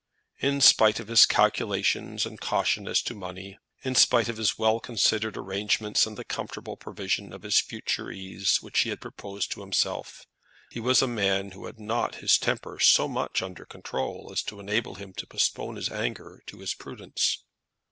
In spite of his calculations and caution as to money, in spite of his well considered arrangements and the comfortable provision for his future ease which he had proposed to himself, he was a man who had not his temper so much under control as to enable him to postpone his anger to his prudence.